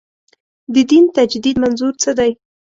د دین تجدید منظور څه دی.